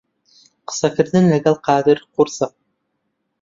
قسەکردن لەگەڵ قادر قورسە.